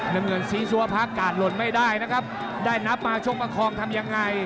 น้ำเงินสีซัวพักกาศหล่นไม่ได้นะครับได้นับมาชกประคองทำยังไง